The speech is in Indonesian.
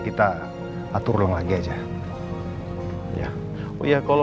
kanan oke kalau gitu